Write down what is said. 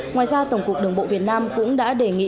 ngoài ra tổng cục đường bộ việt nam cũng đã đề nghị